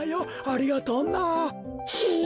ありがとうな。え！